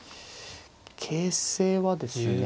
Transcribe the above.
形勢はですね